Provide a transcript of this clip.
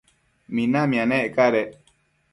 minamia nec cadec